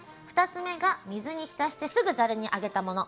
２つ目が水に浸してすぐざるにあげたもの。